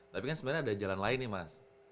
tapi kan sebenarnya ada jalan lain nih mas